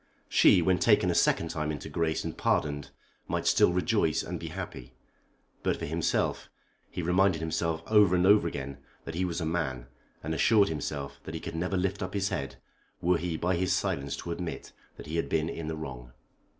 She, when taken a second time into grace and pardoned, might still rejoice and be happy. But for himself, he reminded himself over and over again that he was a man, and assured himself that he could never lift up his head were he by his silence to admit that he had been in the wrong.